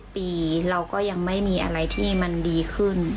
ปีเราก็ยังไม่มีอะไรที่มันดีขึ้น